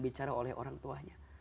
bicara oleh orang tuanya